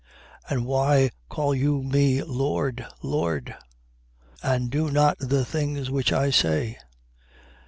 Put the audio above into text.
6:46. And why call you me, Lord, Lord; and do not the things which I say?